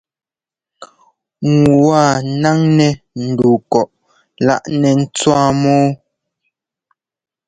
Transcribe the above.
Ŋu wa náŋnɛ́ ndu kɔꞌ lá nɛ tswáa mɔ́ɔ.